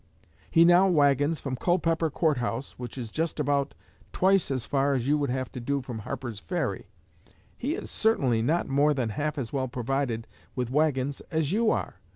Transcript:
He now wagons from Culpepper Court House, which is just about twice as far as you would have to do from Harper's Ferry. He is certainly not more than half as well provided with wagons as you are.